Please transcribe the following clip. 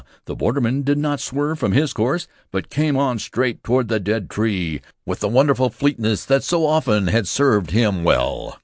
The borderman did not swerve from his course; but came on straight toward the dead tree, with the wonderful fleetness that so often had served him well.